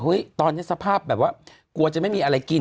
ตอนนี้สภาพแบบว่ากลัวจะไม่มีอะไรกิน